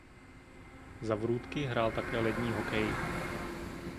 Za Vrútky hrál také lední hokej.